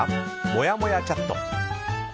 もやもやチャット。